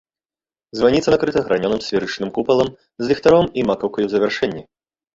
Званіца накрыта гранёным сферычным купалам з ліхтаром і макаўкай у завяршэнні.